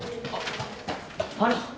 あっ。